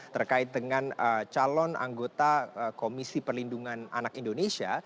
terkait dengan calon anggota komisi perlindungan anak indonesia